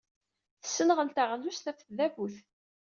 Tessenɣel taɣlust ɣef tdabut.